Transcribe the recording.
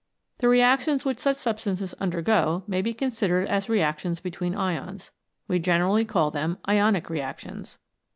The reactions which such substances undergo may be considered as reactions between ions. We generally call them Ionic Reactions.